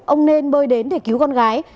ông nên bơi đến để cứu con gái